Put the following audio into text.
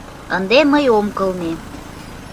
— Ынде мый ом кылме